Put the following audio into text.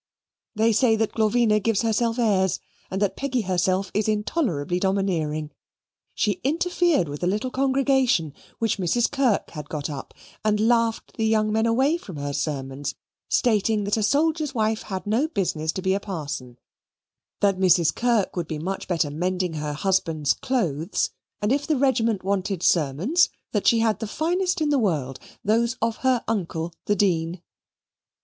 They say that Glorvina gives herself airs and that Peggy herself is intolerably domineering. She interfered with a little congregation which Mrs. Kirk had got up and laughed the young men away from her sermons, stating that a soldier's wife had no business to be a parson that Mrs. Kirk would be much better mending her husband's clothes; and, if the regiment wanted sermons, that she had the finest in the world, those of her uncle, the Dean.